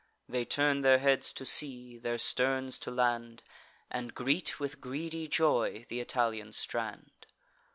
They turn their heads to sea, their sterns to land, And greet with greedy joy th' Italian strand.